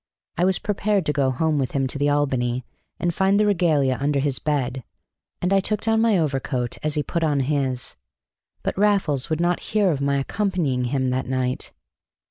I was prepared to go home with him to the Albany and find the regalia under his bed. And I took down my overcoat as he put on his. But Raffles would not hear of my accompanying him that night.